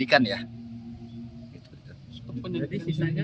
jadi kita sudah menjadikan ya